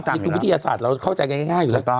นี่คือวิทยาศาสตร์เราเข้าใจกันง่ายอยู่แล้ว